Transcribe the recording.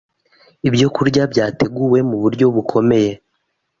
ibyokurya byateguwe mu buryo bukomeye